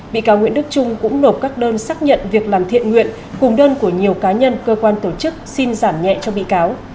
bị cáo nguyễn đức trung cũng nộp các đơn xác nhận việc làm thiện nguyện cùng đơn của nhiều cá nhân cơ quan tổ chức xin giảm nhẹ cho bị cáo